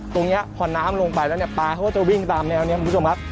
ตรงนี้พอน้ำลงไปแล้วเนี่ยปลาเขาก็จะวิ่งตามแนวนี้คุณผู้ชมครับ